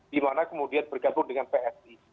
di mana kemudian bergabung dengan psi